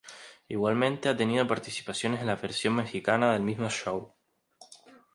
Igualmente ha tenido participaciones en la versión mexicana del mismo show.